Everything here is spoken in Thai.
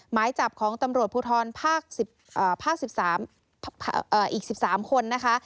หมายจับของตำรวจภูทรภาคอีก๑๓คนนะคะ